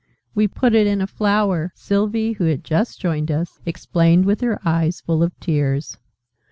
"We put it in a flower," Sylvie, who had just joined us, explained with her eyes full of tears.